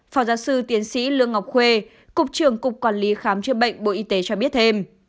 phó giáo sư tiến sĩ lương ngọc khuê cục trưởng cục quản lý khám chữa bệnh bộ y tế cho biết thêm